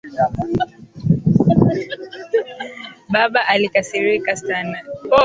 Baba alikasirika sana